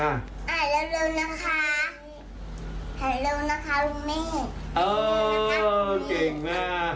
หายเร็วนะคะลุงเมฆ